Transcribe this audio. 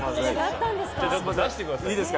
出してくださいよ。